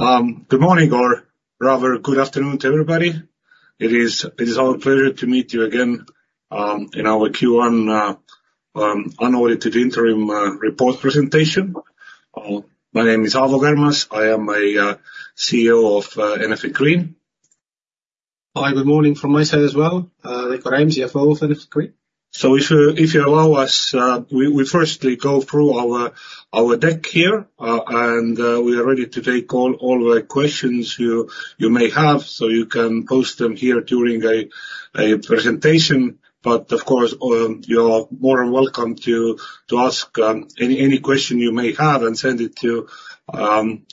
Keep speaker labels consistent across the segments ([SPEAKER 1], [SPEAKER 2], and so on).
[SPEAKER 1] Good morning, or rather, good afternoon to everybody. It is our pleasure to meet you again in our Q1 unaudited interim report presentation. My name is Aavo Kärmas. I am a CEO of Enefit Green.
[SPEAKER 2] Hi, good morning from my side as well, Veiko Räim, CFO of Enefit Green.
[SPEAKER 1] So if you allow us, we first go through our deck here, and we are ready to take all the questions you may have, so you can post them here during a presentation. But of course, you're more than welcome to ask any question you may have and send it to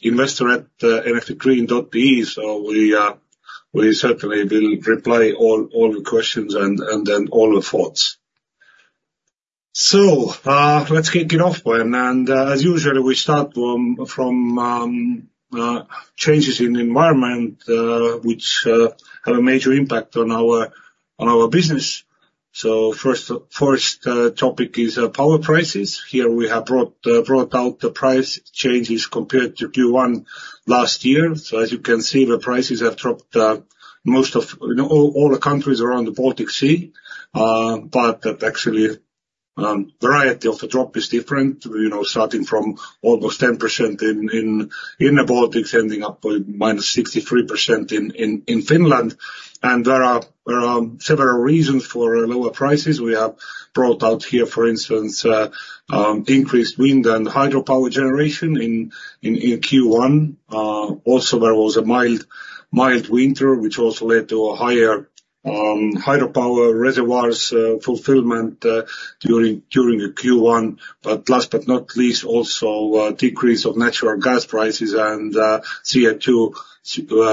[SPEAKER 1] investor@enefitgreen.ee. So we certainly will reply all the questions and then all the thoughts. So let's kick it off then, and as usually, we start from changes in environment, which have a major impact on our business. So first topic is power prices. Here, we have brought out the price changes compared to Q1 last year. So as you can see, the prices have dropped, most of, you know, all the countries around the Baltic Sea. But that actually, variety of the drop is different, you know, starting from almost 10% in the Baltics, ending up with -63% in Finland. And there are several reasons for lower prices. We have brought out here, for instance, increased wind and hydropower generation in Q1. Also, there was a mild winter, which also led to a higher hydropower reservoirs fulfillment during the Q1. But last but not least, also, decrease of natural gas prices and CO2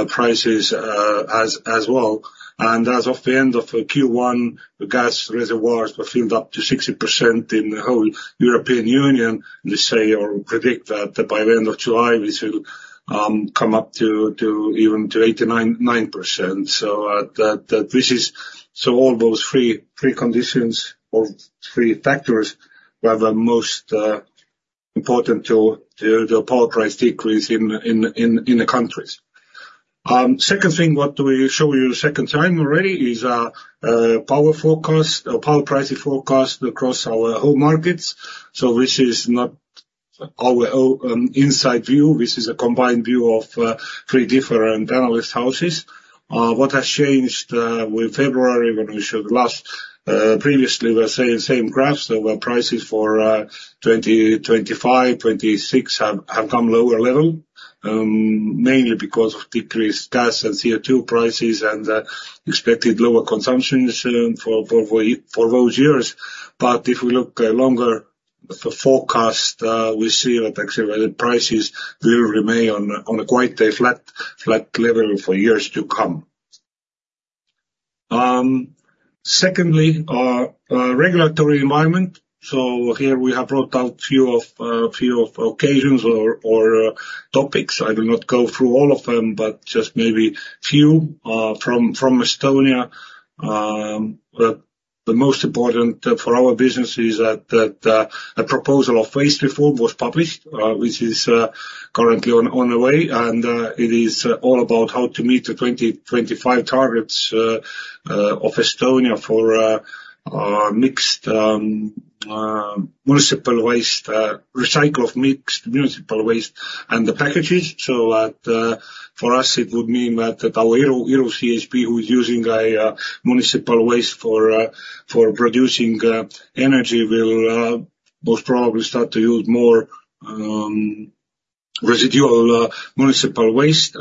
[SPEAKER 1] prices, as well. And as of the end of the Q1, the gas reservoirs were filled up to 60% in the whole European Union. They say, or predict, that by the end of July, this will come up to even 89%. So that this is... So all those three conditions or three factors were the most important to the power price decrease in the countries. Second thing, what we show you the second time already, is a power forecast, power pricing forecast across our whole markets. So this is not our own inside view, this is a combined view of three different analyst houses. What has changed with February, when we showed last previously, we're saying same graphs, there were prices for 2025, 2026, have come lower level, mainly because of decreased gas and CO2 prices, and expected lower consumption soon for those years. But if we look longer, the forecast, we see that actually prices will remain on a, on a quite a flat, flat level for years to come. Secondly, our regulatory environment. So here we have brought out few of few of occasions or topics. I will not go through all of them, but just maybe few from Estonia. The most important for our business is that a proposal of waste reform was published, which is currently on the way. And it is all about how to meet the 2025 targets of Estonia for mixed municipal waste, recycle of mixed municipal waste and the packages. So that, for us, it would mean that our Iru, Iru CHP, who is using a municipal waste for producing energy, will most probably start to use more residual municipal waste.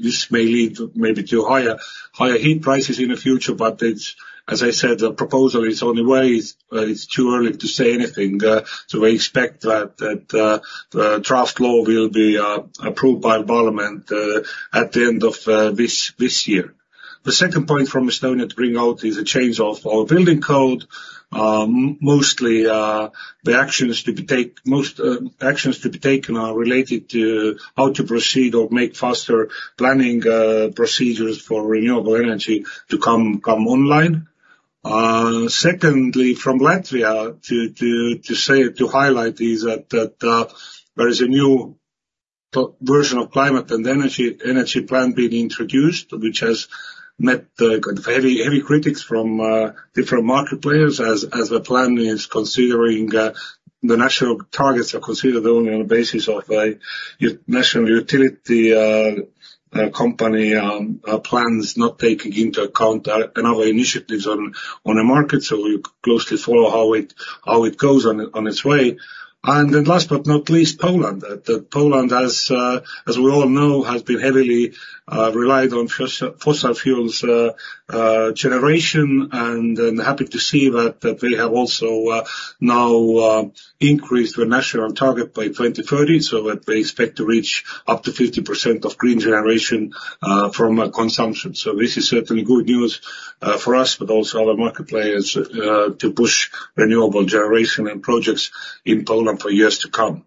[SPEAKER 1] This may lead maybe to higher heat prices in the future, but it's, as I said, the proposal is on the way. It's too early to say anything, so we expect that the draft law will be approved by parliament at the end of this year. The second point from Estonia to bring out is a change of our building code. Mostly, actions to be taken are related to how to proceed or make faster planning procedures for renewable energy to come online. Secondly, from Latvia, to say, to highlight, is that there is a new version of climate and energy plan being introduced, which has met very heavy criticism from different market players as the plan is considering the national targets are considered only on the basis of a national utility company plans, not taking into account another initiatives on the market. So we closely follow how it goes on its way. And then last but not least, Poland. That Poland, as we all know, has been heavily relied on fossil fuels generation, and happy to see that they have also now increased the national target by 2030, so that they expect to reach up to 50% of green generation from consumption. So this is certainly good news for us, but also other market players to push renewable generation and projects in Poland for years to come.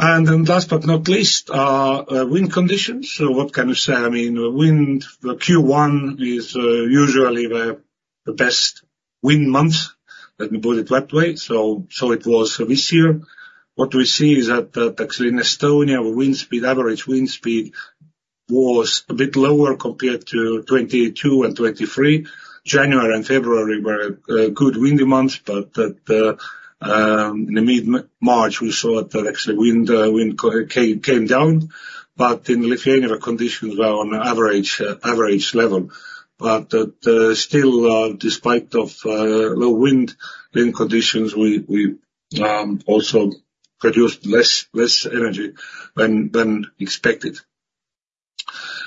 [SPEAKER 1] And then last but not least, wind conditions. So what can we say? I mean, wind, the Q1 is usually the best wind months, let me put it that way. So it was this year. What we see is that actually in Estonia, wind speed, average wind speed was a bit lower compared to 2022 and 2023. January and February were good windy months, but in mid-March, we saw that actually wind came down. But in Lithuania, the conditions were on average level. But still, despite low wind conditions, we also produced less energy than expected.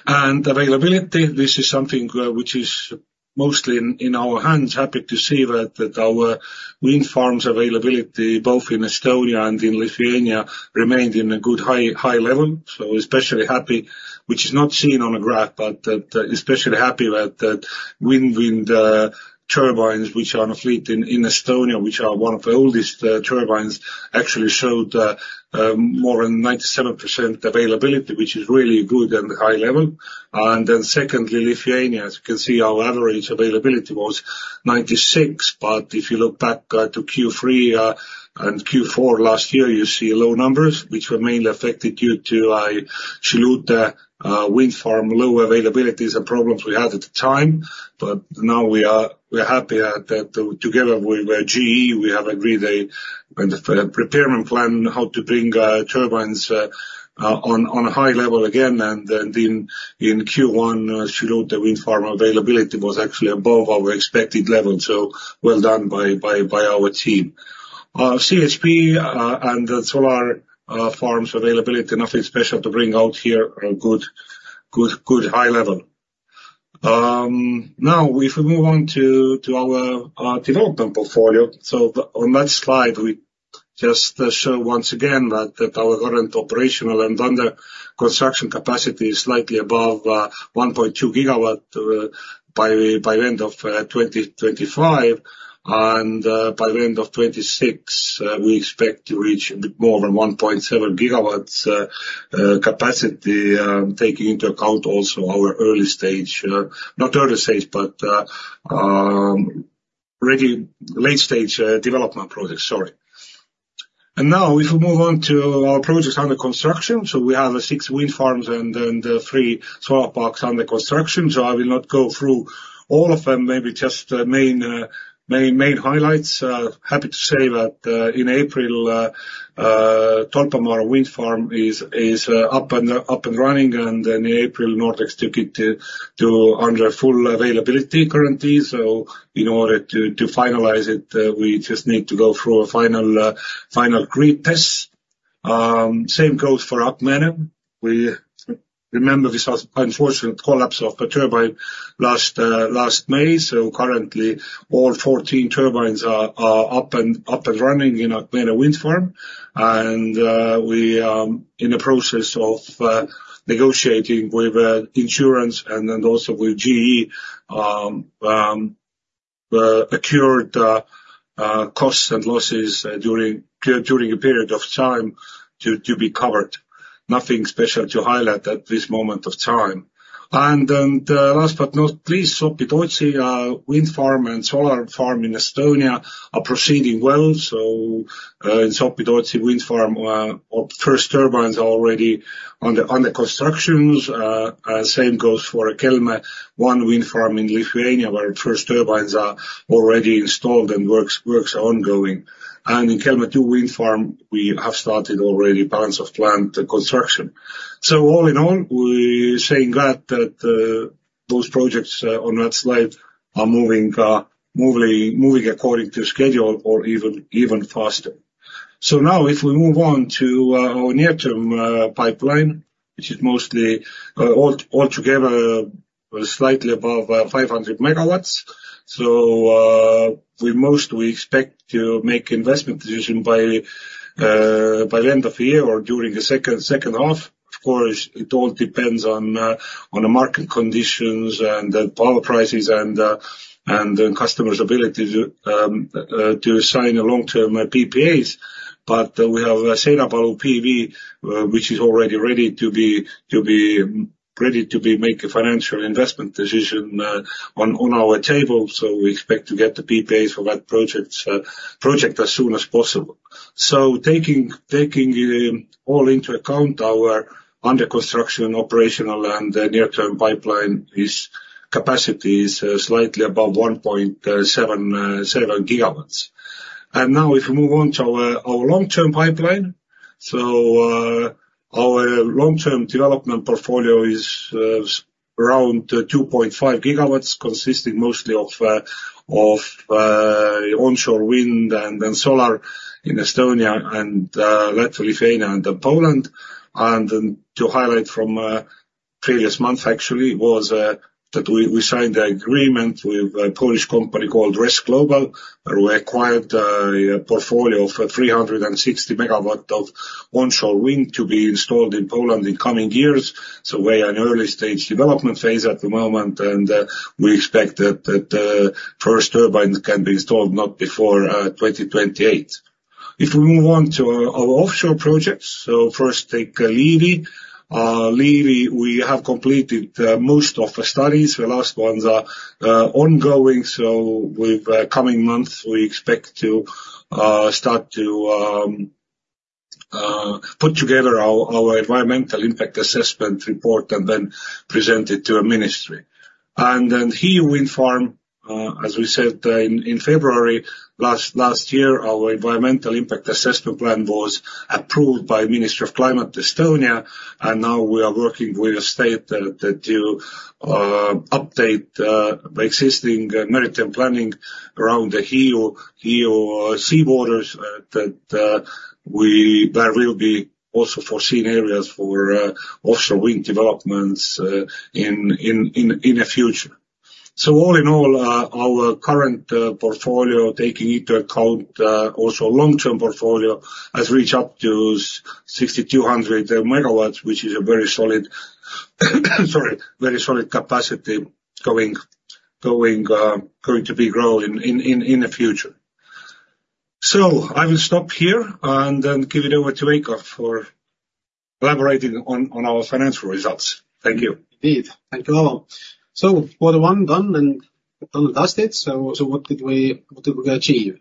[SPEAKER 1] And availability, this is something which is mostly in our hands. Happy to see that our wind farms' availability, both in Estonia and in Lithuania, remained in a good high level. So especially happy, which is not seen on the graph, but especially happy that wind turbines, which are on a fleet in Estonia, which are one of the oldest turbines, actually showed more than 97% availability, which is really good and high level. And then secondly, Lithuania, as you can see, our average availability was 96%, but if you look back to Q3 and Q4 last year, you see low numbers, which were mainly affected due to Šilalė wind farm low availabilities and problems we had at the time. But now we are happy about that together with GE; we have agreed on a pre-arrangement plan how to bring turbines on a high level again. And then in Q1, Šilalė wind farm availability was actually above our expected level. So well done by our team. CHP and the solar farms availability, nothing special to bring out here, are good, good, good high level. Now, if we move on to our development portfolio. So, on that slide, we just show once again that our current operational and under construction capacity is slightly above 1.2 GW by the end of 2025. And by the end of 2026, we expect to reach a bit more than 1.7 GW capacity, taking into account also our early stage, not early stage, but ready late stage development projects. Sorry. And now, if we move on to our projects under construction. So we have six wind farms and three solar parks under construction, so I will not go through all of them, maybe just main highlights. Happy to say that in April, Tolpanvaara wind farm is up and running, and in April, Nordex took it under full availability currently. So in order to finalize it, we just need to go through a final grid test. Same goes for Akmenė. We remember this was unfortunate collapse of a turbine last May, so currently all 14 turbines are up and running in Akmenė wind farm. And we in the process of negotiating with insurance and then also with GE occurred costs and losses during a period of time to be covered. Nothing special to highlight at this moment of time. Last but not least, Sopi-Tootsi wind farm and solar farm in Estonia are proceeding well. So, in Sopi-Tootsi wind farm, first turbines are already under construction. Same goes for Kelmė I wind farm in Lithuania, where first turbines are already installed and works are ongoing. And in Kelmė II wind farm, we have started already balance of plant construction. So all in all, we saying that those projects on that slide are moving according to schedule or even faster. So now, if we move on to our near-term pipeline, which is mostly altogether slightly above 500 MW. So, we most we expect to make investment decision by the end of the year or during the second half. Of course, it all depends on the market conditions and the power prices and the customers' ability to sign a long-term PPAs. But we have Seinapalu PV, which is already ready to make a financial investment decision on our table, so we expect to get the PPAs for that project as soon as possible. So taking all into account, our under construction, operational, and near-term pipeline, its capacity is slightly above 1.7 GW. And now, if we move on to our long-term pipeline. So our long-term development portfolio is around 2.5 GW, consisting mostly of onshore wind and then solar in Estonia and Latvia, Lithuania and Poland. And then to highlight from previous month, actually, was that we signed an agreement with a Polish company called RES Global, where we acquired a portfolio for 360 MW of onshore wind to be installed in Poland in coming years. So we're in early stage development phase at the moment, and we expect that first turbines can be installed not before 2028. If we move on to our offshore projects, so first take Liivi. Liivi, we have completed most of the studies. The last ones are ongoing, so with coming months, we expect to start to put together our Environmental Impact Assessment report, and then present it to a ministry. And then Hiiu Wind Farm, as we said, in February, last year, our Environmental Impact Assessment plan was approved by Minister of Climate, Estonia, and now we are working with the state to update the existing maritime planning around the Hiiu sea borders, that there will be also foreseen areas for offshore wind developments in the future. So all in all, our current portfolio, taking into account also long-term portfolio, has reached up to 6,200 MW, which is a very solid, sorry, very solid capacity going to be growing in the future. So I will stop here, and then give it over to Veiko for collaborating on our financial results. Thank you.
[SPEAKER 2] Indeed. Thank you, all. So quarter one done, and all dusted, so what did we achieve?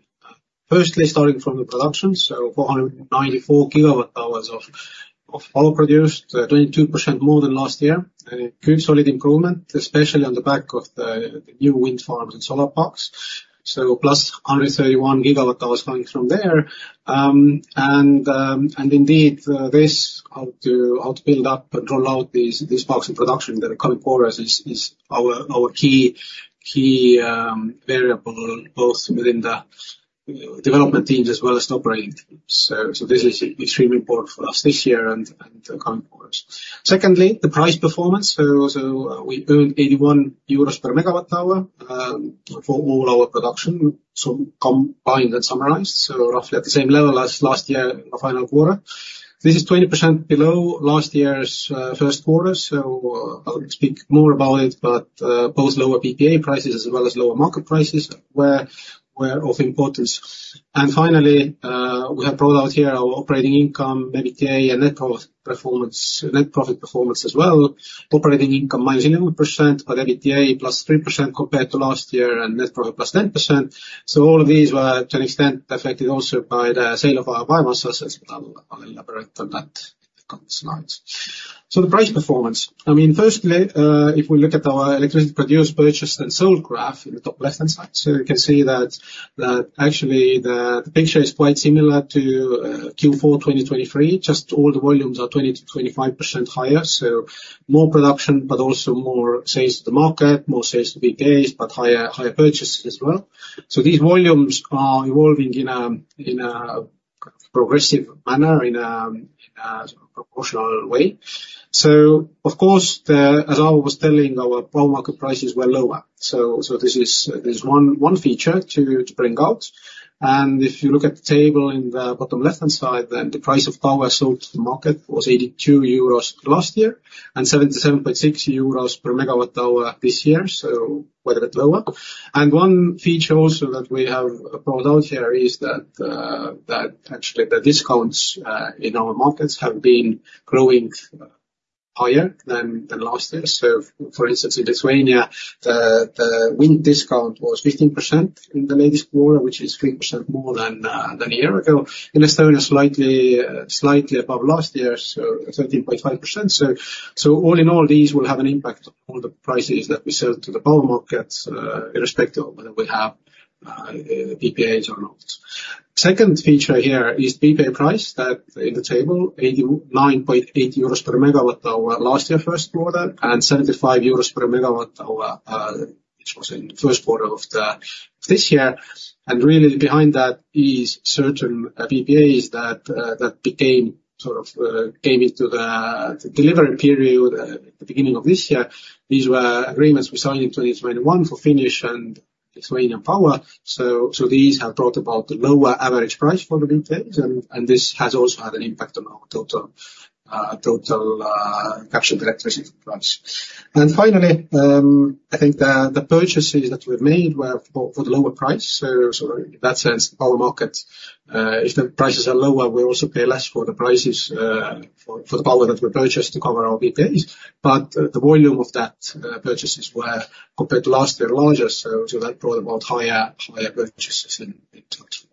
[SPEAKER 2] Firstly, starting from the production, so 494 kWh of power produced, 22% more than last year. A good solid improvement, especially on the back of the new wind farms and solar parks. So +131 GWh coming from there. And indeed, this, how to build up and roll out these parks in production in the coming quarters is our key variable, both within the development teams as well as the operating teams. So this is extremely important for us this year and the coming quarters. Secondly, the price performance. So, we earned 81 euros per MWh, for all our production, so combined and summarized, so roughly at the same level as last year, the final quarter. This is 20% below last year's first quarter, so I'll speak more about it, but, both lower PPA prices as well as lower market prices were of importance. And finally, we have brought out here our operating income, EBITDA, and net profit performance as well. Operating income, -11%, but EBITDA +3% compared to last year, and net profit, +10%. So all of these were, to an extent, affected also by the sale of our biomass assets, but I'll elaborate on that in the coming slides. So the price performance. I mean, firstly, if we look at our electricity produced, purchased, and sold graph in the top left-hand side, so you can see that, that actually the picture is quite similar to Q4 2023, just all the volumes are 20%-25% higher, so more production, but also more sales to the market, more sales to PPAs, but higher, higher purchases as well. So these volumes are evolving in a progressive manner, in a proportional way. So of course, the- as I was telling, our power market prices were lower. So, so this is, there's one, one feature to, to bring out. And if you look at the table in the bottom left-hand side, then the price of power sold to the market was 82 euros last year, and 77.6 euros per megawatt hour this year, so quite a bit lower. And one feature also that we have brought out here is that that actually the discounts in our markets have been growing higher than last year. So for instance, in Lithuania, the wind discount was 15% in the latest quarter, which is 3% more than a year ago. In Estonia, slightly above last year, so 13.5%. So all in all, these will have an impact on the prices that we sell to the power markets, irrespective of whether we have PPAs or not. Second feature here is PPA price, that in the table, 89.8 euros per MWh last year first quarter, and 75 euros per MWh, which was in the first quarter of this year. And really, behind that is certain PPAs that that became, sort of, came into the delivery period at the beginning of this year. These were agreements we signed in 2021 for Finnish and Lithuanian power. So these have brought about the lower average price for the PPAs, and this has also had an impact on our total captured revenue price. And finally, I think the purchases that we've made were for the lower price. So in that sense, the power market, if the prices are lower, we also pay less for the prices, for, for the power that we purchased to cover our PPAs. But the volume of that, purchases were, compared to last year, larger, so that brought about higher, higher purchases in, in total.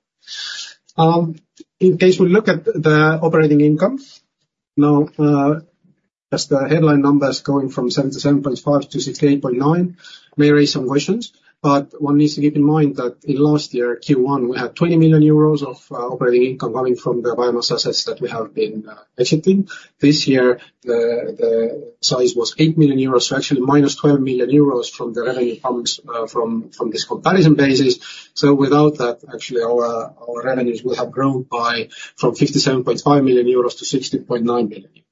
[SPEAKER 2] In case we look at the operating income, now, as the headline numbers going from 77.5 million-68.9 million, may raise some questions, but one needs to keep in mind that in last year, Q1, we had 20 million euros of, operating income coming from the biomass assets that we have been, exiting. This year, the, the size was 8 million euros, so actually minus 12 million euros from the revenue comes, from, from this comparison basis. So without that, actually our revenues will have grown by, from 57.5 million-60.9 million euros.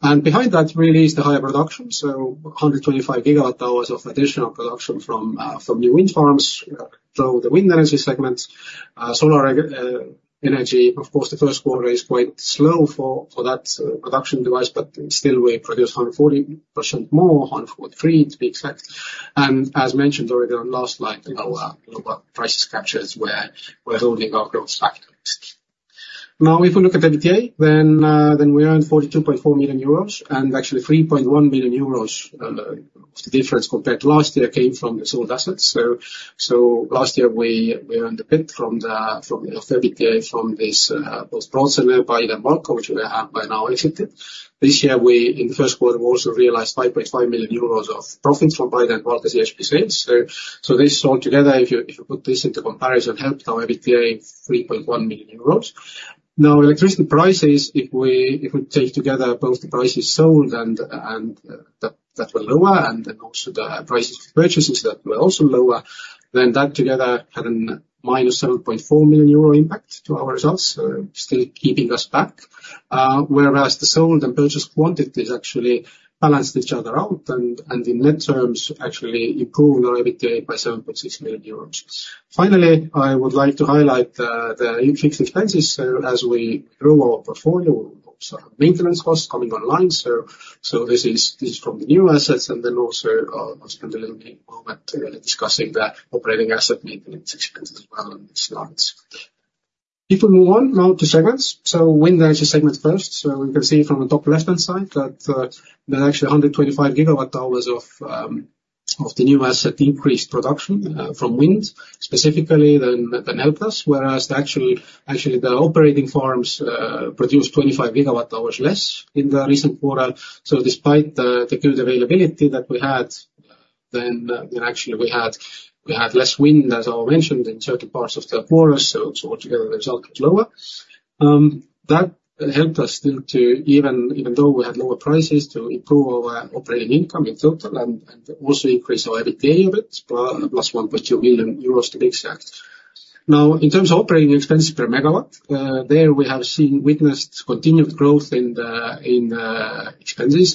[SPEAKER 2] And behind that really is the higher production, so 125 GWh of additional production from the wind farms, so the wind energy segment. Solar energy, of course, the first quarter is quite slow for that production device, but still we produce 140% more, 143, to be exact. And as mentioned already on last slide, you know, global prices captures were holding our growth back. Now, if you look at the EBITDA, then we earned 42.4 million euros, and actually 3.1 million euros difference compared to last year came from the sold assets. Last year, we earned a bit from the EBITDA from this both Brocēni and Paide-Valka, which we have by now exited. This year, in the first quarter, we also realized 5.5 million euros of profits from Paide-Valka CHP sales. This all together, if you put this into comparison, helped our EBITDA 3.1 million euros. Now, electricity prices, if we take together both the prices sold and that were lower, and then also the prices of purchases that were also lower, then that together had a -7.4 million euro impact to our results, still keeping us back. Whereas the sold and purchase quantities actually balanced each other out, and in net terms, actually improved our EBITDA by 7.6 million euros. Finally, I would like to highlight the fixed expenses, so as we grow our portfolio, of course, our maintenance costs coming online, so this is from the new assets, and then also, I'll spend a little bit moment really discussing the operating asset maintenance expenses as well in the slides. If we move on now to segments, wind is a segment first. So we can see from the top left-hand side that there are actually 125 GWh of the new asset increased production from wind, specifically that helped us, whereas the operating farms produced 25 GWh less in the recent quarter. So despite the good availability that we had, actually we had less wind, as I mentioned, in certain parts of the quarter, so altogether the result is lower. That helped us still even though we had lower prices, to improve our operating income in total, and also increase our EBITDA of it, plus 1.2 million euros to be exact. Now, in terms of operating expenses per megawatt, there we have seen, witnessed continued growth in the expenses,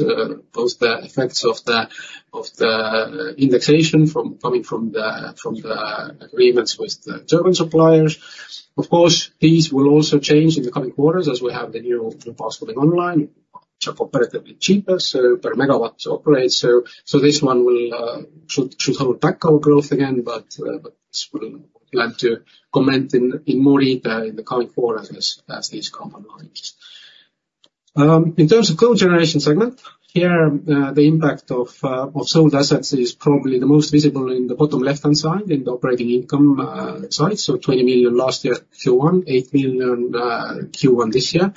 [SPEAKER 2] both the effects of the indexation coming from the agreements with the turbine suppliers. Of course, these will also change in the coming quarters as we have the new parks going online, which are comparatively cheaper, so per megawatt to operate. So this one will should hold back our growth again, but but we'll be glad to comment in in more detail in the coming quarters as as these come online. In terms of cogeneration segment, here the impact of of sold assets is probably the most visible in the bottom left-hand side, in the operating income side, so 20 million last year Q1, 8 million Q1 this year.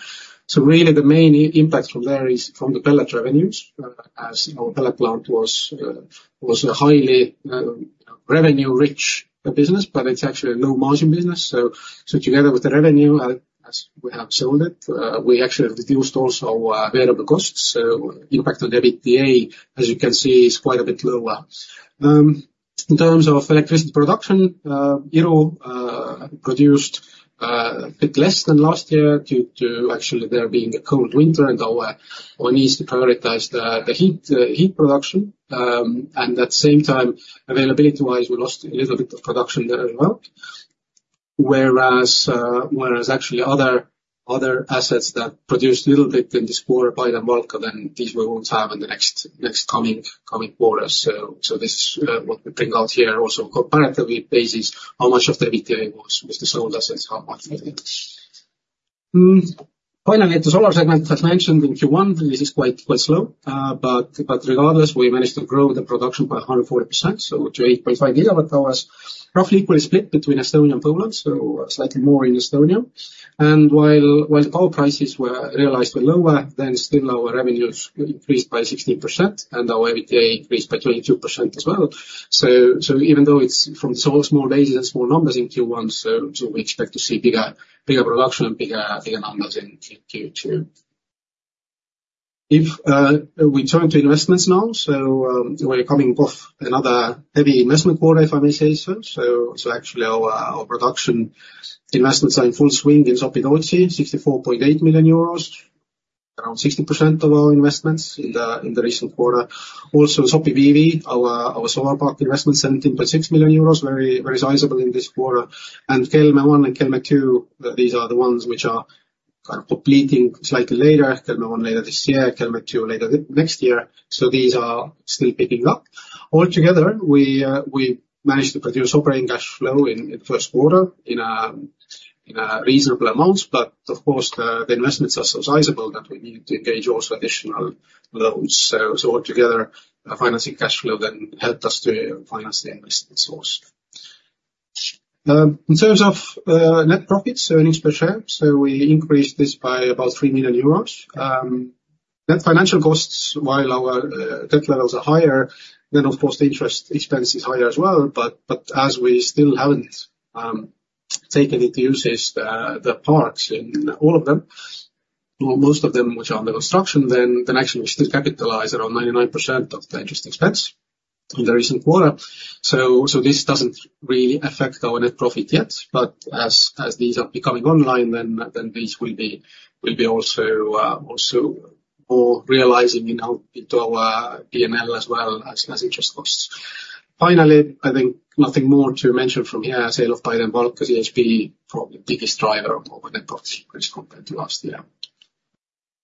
[SPEAKER 2] So really the main impact from there is from the pellet revenues, as our pellet plant was was a highly revenue-rich business, but it's actually a low margin business. So so together with the revenue, as we have sold it, we actually have reduced also variable costs, so impact on the EBITDA, as you can see, is quite a bit lower. In terms of electricity production, Iru produced a bit less than last year due to actually there being a cold winter, and our one is to prioritize the heat production. And at the same time, availability-wise, we lost a little bit of production there as well. Whereas actually other assets that produced a little bit in this quarter by the market, then these we won't have in the next coming quarters. So this what we bring out here, also comparatively basis, how much of the EBITDA was with the solar assets, how much with the... Mm. Finally, the solar segment, as mentioned in Q1, this is quite slow. But regardless, we managed to grow the production by 140%, so to 8.5 GWh, roughly equally split between Estonia and Poland, so slightly more in Estonia. And while power prices were realized were lower, then still our revenues increased by 16%, and our EBITDA increased by 22% as well. So even though it's from so small data and small numbers in Q1, so we expect to see bigger production and bigger numbers in Q2. If we turn to investments now, so we're coming off another heavy investment quarter, if I may say so. So actually our production investments are in full swing in Sopi-Tootsi, 64.8 million euros, around 60% of our investments in the recent quarter. Also, Sopi PV, our solar park investment, 17.6 million euros, very, very sizable in this quarter. And Kelmė I and Kelmė II, these are the ones which are kind of completing slightly later, Kelmė I later this year, Kelmė II later next year. So these are still picking up. Altogether, we managed to produce operating cash flow in the first quarter in reasonable amounts, but of course, the investments are so sizable that we need to engage also additional loans. So altogether, our financing cash flow then helped us to finance the investment source. In terms of net profits, so earnings per share, so we increased this by about 3 million euros. Net financial costs, while our debt levels are higher, then of course, the interest expense is higher as well, but as we still haven't taken into usage the parts in all of them, or most of them which are under construction, then actually we still capitalize around 99% of the interest expense in the recent quarter. So this doesn't really affect our net profit yet, but as these are becoming online, then these will be also more realizing into our PNL as well as interest costs. Finally, I think nothing more to mention from here. Sale of Paide-Valka CHP probably the biggest driver of our net profit compared to last year.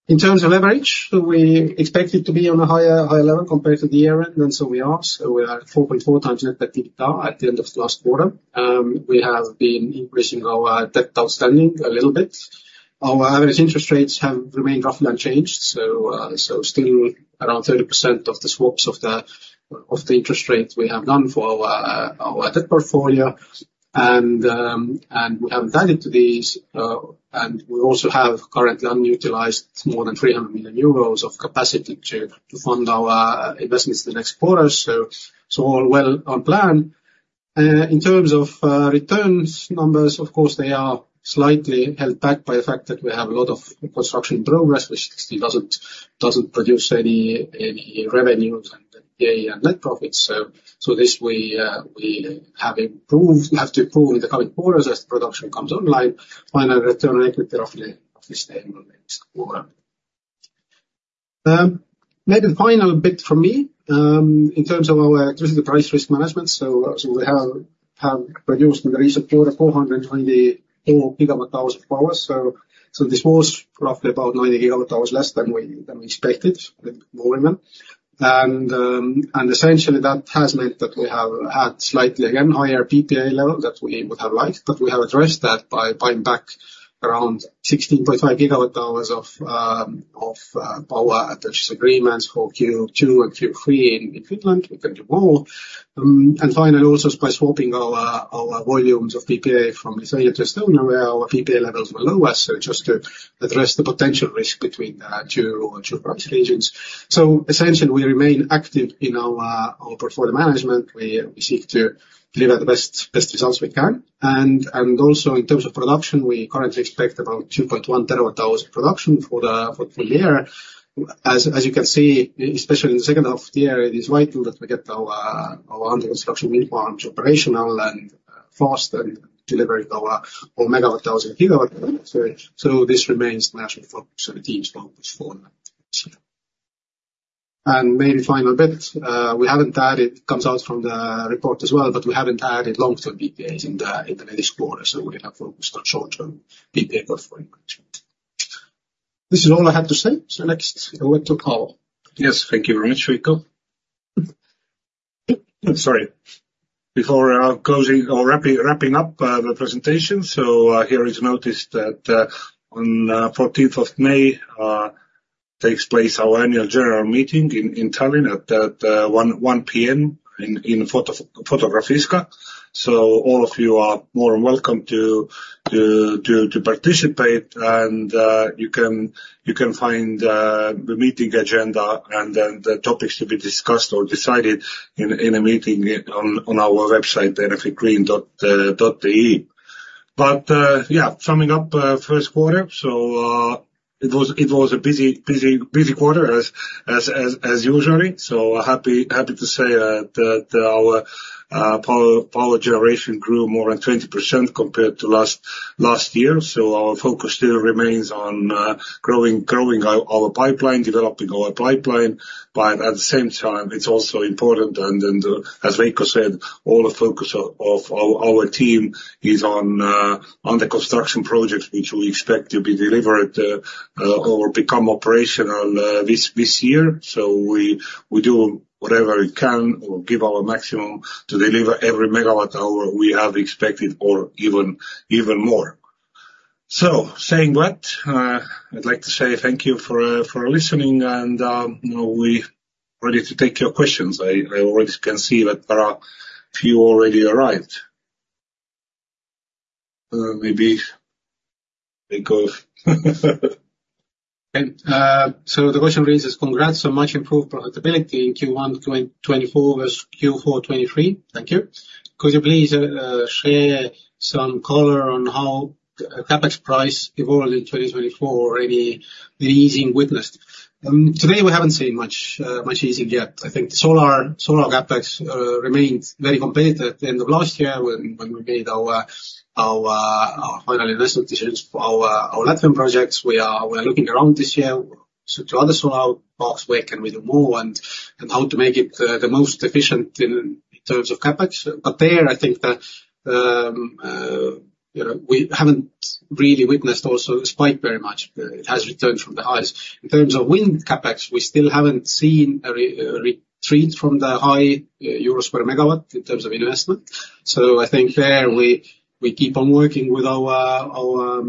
[SPEAKER 2] In terms of leverage, we expect it to be on a higher, higher level compared to the year end, and so we are. So we are at 4.4 times net debt to EBITDA at the end of last quarter. We have been increasing our debt outstanding a little bit. Our average interest rates have remained roughly unchanged, so still around 30% of the swaps of the interest rates we have done for our debt portfolio. And we have value to these, and we also have currently unutilized more than 300 million euros of capacity to fund our investments in the next quarters. So all well on plan. In terms of returns numbers, of course, they are slightly held back by the fact that we have a lot of construction progress, which still doesn't produce any revenues and net profits. So this we have improved, we have to improve in the coming quarters as the production comes online. Final return on equity roughly of this year. Maybe the final bit from me, in terms of our electricity price risk management, so we have produced in the recent quarter 424 GWh of power. So this was roughly about 90 GWh less than we expected with volume. And essentially, that has meant that we have had slightly, again, higher PPA level than we would have liked. But we have addressed that by buying back around 16.5 GWh of power at those agreements for Q2 and Q3 in Finland. We can do more. And finally, also by swapping our volumes of PPA from Estonia to Estonia, where our PPA levels were lower, so just to address the potential risk between two price regions. So essentially, we remain active in our portfolio management. We seek to deliver the best results we can. And also in terms of production, we currently expect about 2.1 TWh of production for the full year. As you can see, especially in the second half of the year, it is vital that we get our under construction wind farms operational and fast and deliver our megawatt thousand kilowatt. So this remains the national focus of the team's focus for next year. And maybe final bit, we haven't added, comes out from the report as well, but we haven't added long-term PPAs in the next quarter, so we have focused on short-term PPA performance. This is all I have to say. So next, over to Aavo.
[SPEAKER 1] Yes, thank you very much, Veiko Räim. Sorry. Before closing or wrapping up the presentation, so here is notice that on fourteenth of May takes place our annual general meeting in Tallinn at 1 P.M. in Fotografiska. So all of you are more than welcome to participate, and you can find the meeting agenda and then the topics to be discussed or decided in a meeting on our website, enefitgreen.ee. But yeah, summing up first quarter, so it was a busy quarter, as usually. So happy to say that our power generation grew more than 20% compared to last year. So our focus still remains on growing our pipeline, developing our pipeline. But at the same time, it's also important, as Veiko said, all the focus of our team is on the construction projects, which we expect to be delivered or become operational this year. So we do whatever we can or give our maximum to deliver every megawatt hour we have expected or even more. So saying that, I'd like to say thank you for listening and we're ready to take your questions. I already can see that there are a few already arrived. Maybe, Veiko?
[SPEAKER 2] So the question reads: Congrats on much improved profitability in Q1 2024 versus Q4 2023. Thank you. Could you please share some color on how CapEx price evolved in 2024, and the easing witnessed? Today, we haven't seen much easing yet. I think solar CapEx remained very competitive at the end of last year when we made our final investment decisions for our Latvian projects. We are looking around this year to other solar parks, where can we do more, and how to make it the most efficient in terms of CapEx. But there, I think that, you know, we haven't really witnessed also the spike very much. It has returned from the highs. In terms of wind CapEx, we still haven't seen a retreat from the high euro per megawatt in terms of investment. So I think there, we keep on working with our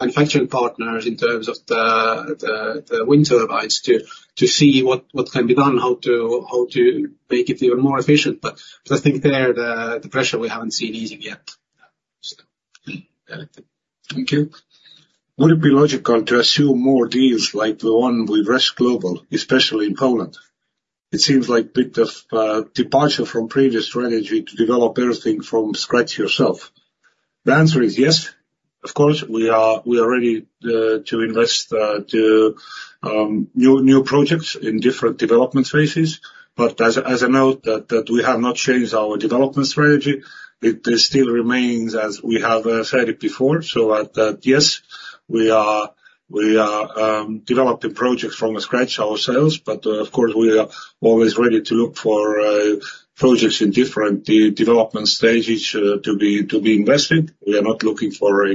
[SPEAKER 2] manufacturing partners in terms of the wind turbines, to see what can be done, how to make it even more efficient. But I think there, the pressure, we haven't seen easing yet.
[SPEAKER 1] Thank you. Would it be logical to assume more deals like the one with RES Global, especially in Poland? It seems like a bit of departure from previous strategy to develop everything from scratch yourself. The answer is yes, of course, we are ready to invest to new projects in different development phases. But as a note that we have not changed our development strategy, it still remains as we have said it before. So at that, yes, we are developing projects from scratch ourselves, but of course, we are always ready to look for projects in different development stages to be invested. We are not looking for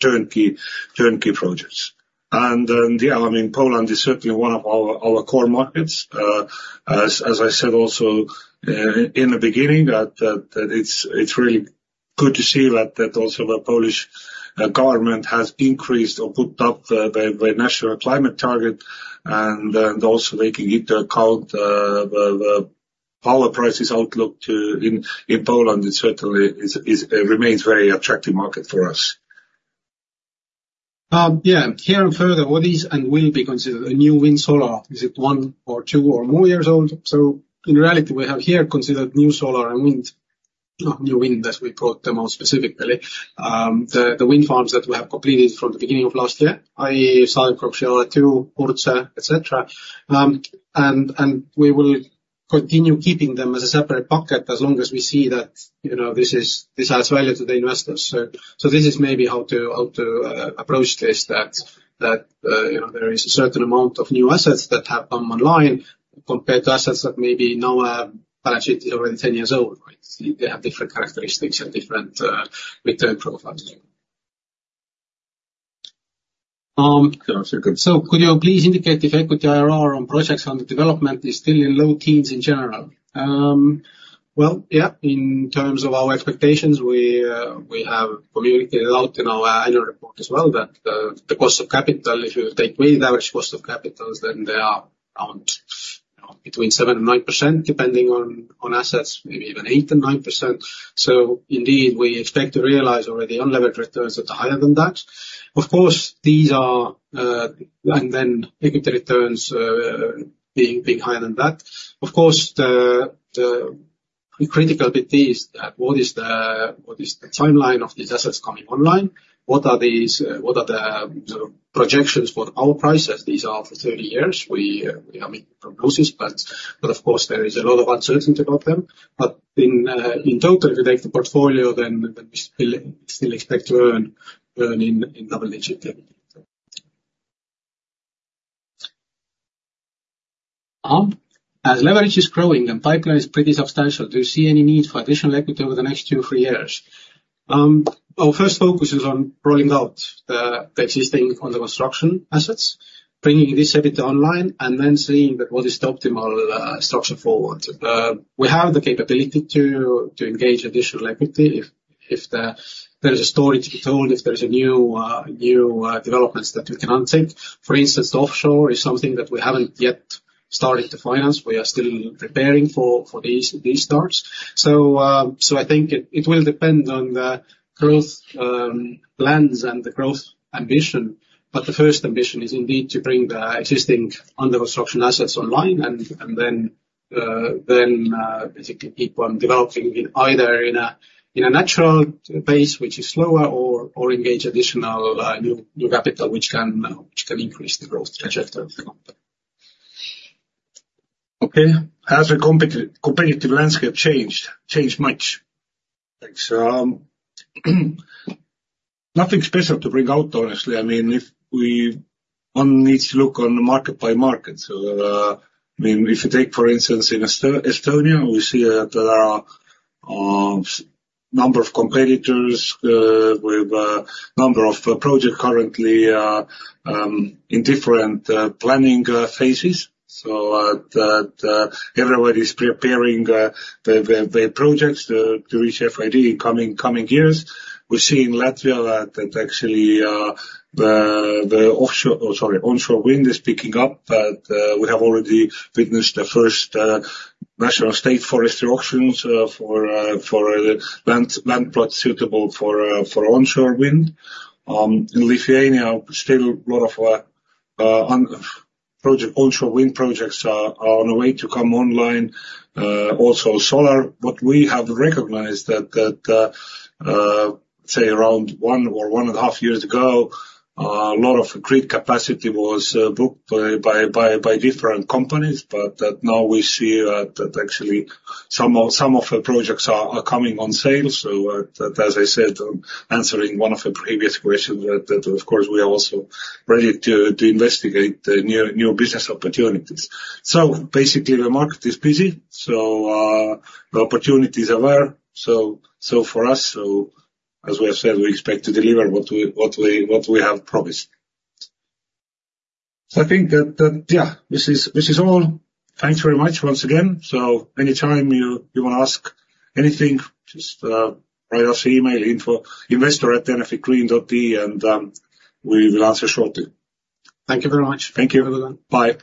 [SPEAKER 1] turnkey projects. And then, yeah, I mean, Poland is certainly one of our core markets. As I said also in the beginning, that it's really good to see that also the Polish government has increased or put up the national climate target, and also taking into account the power prices outlook in Poland, it certainly is, it remains very attractive market for us.
[SPEAKER 2] Yeah, here are further what is, and will be considered a new wind solar. Is it one or two or more years old? So in reality, we have here considered new solar and wind, new wind, as we brought them out specifically. The wind farms that we have completed from the beginning of last year, i.e., Šilalė II, Purtse, et cetera. And we will continue keeping them as a separate bucket as long as we see that, you know, this is, this adds value to the investors. So this is maybe how to approach this, that, you know, there is a certain amount of new assets that have come online, compared to assets that maybe now are actually already 10 years old, right? They have different characteristics and different return profiles.
[SPEAKER 1] Yeah, sure.
[SPEAKER 2] So could you please indicate if equity IRR on projects under development is still in low teens, in general? Well, yeah, in terms of our expectations, we, we have communicated a lot in our annual report as well, that the cost of capital, if you take weighted average cost of capitals, then they are around between 7% and 9%, depending on, on assets, maybe even 8% and 9%. So indeed, we expect to realize already unlevered returns that are higher than that. Of course, these are, and then equity returns, being higher than that. Of course, the critical bit is that what is the timeline of these assets coming online? What are these, what are the projections for our prices? These are for 30 years. We have made prognosis, but of course, there is a lot of uncertainty about them. But in total, if you take the portfolio, then we still expect to earn in double-digit. As leverage is growing and pipeline is pretty substantial, do you see any need for additional equity over the next 2-3 years? Our first focus is on rolling out the existing under-construction assets, bringing this asset online, and then seeing that what is the optimal structure forward. We have the capability to engage additional equity, if there is a story to be told, if there's a new developments that we can undertake. For instance, offshore is something that we haven't yet started to finance. We are still preparing for these starts. So, I think it will depend on the growth plans and the growth ambition. But the first ambition is indeed to bring the existing under-construction assets online and then basically keep on developing either in a natural pace, which is slower, or engage additional new capital, which can increase the growth trajectory of the company.
[SPEAKER 1] Okay. Has the competitive landscape changed much? Thanks. Nothing special to bring out, honestly. I mean, one needs to look on market by market. So, I mean, if you take, for instance, in Estonia, we see that there are number of competitors with number of projects currently in different planning phases. So, that everybody is preparing the projects to reach FID in coming years. We see in Latvia that actually the onshore wind is picking up, but we have already witnessed the first national state forestry auctions for land plots suitable for onshore wind. In Lithuania, still a lot of onshore wind projects are on the way to come online, also solar. What we have recognized that, say, around one or one and half years ago, a lot of grid capacity was booked by different companies, but now we see that actually some of the projects are coming on sale. So, that, as I said, answering one of the previous questions, that of course, we are also ready to investigate new business opportunities. So basically, the market is busy, so the opportunities are there. So for us, as we have said, we expect to deliver what we have promised. So I think that yeah, this is all. Thanks very much once again. So anytime you, you wanna ask anything, just write us an email: investor@enefitgreen.ee, and we will answer shortly.
[SPEAKER 2] Thank you very much.
[SPEAKER 1] Thank you. Bye.